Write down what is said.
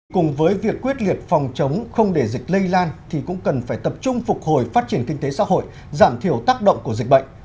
cùng với việc quyết liệt phòng chống không để dịch lây lan thì cũng cần phải tập trung phục hồi phát triển kinh tế xã hội giảm thiểu tác động của dịch bệnh